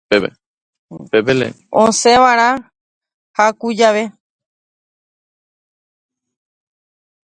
Osẽva ára haku jave.